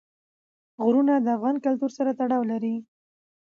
غرونه د افغان کلتور سره تړاو لري.